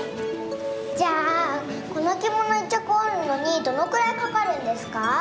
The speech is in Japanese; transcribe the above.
じゃあこのきもの１ちゃくおるのにどのくらいかかるんですか？